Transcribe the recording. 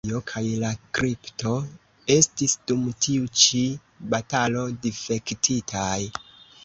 La preĝejo kaj la kripto estis dum tiu ĉi batalo difektitaj.